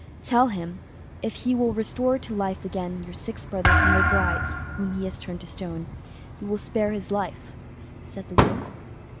"Tell him, if he will restore to life again your six brothers and their brides, whom he has turned to stone, you will spare his life", said the Wolf.